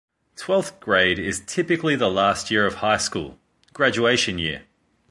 Twelfth grade is typically the last year of high school; graduation year.